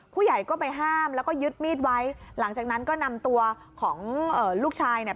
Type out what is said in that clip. ผู้ใหญ่ก็ไปห้ามแล้วก็ยึดมีดไว้หลังจากนั้นก็นำตัวของลูกชายเนี่ย